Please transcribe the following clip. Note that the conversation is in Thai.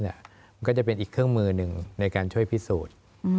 มันก็จะเป็นอีกเครื่องมือหนึ่งในการช่วยพิสูจน์